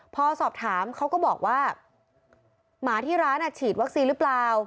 พอสอบถามเขาก็บอกว่าหมาที่ร้านฉีดวัคซีนหรือเปล่า